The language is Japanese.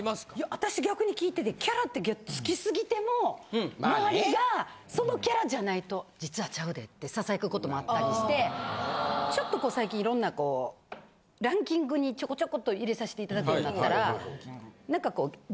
私逆に聞いててキャラって付き過ぎても周りがそのキャラじゃないと「実はちゃうで」ってささやく事もあったりしてちょっと最近色んなランキングにちょこちょこっと入れさせて頂くようになったら。